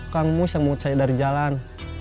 kang mus yang memutuskan dari jalan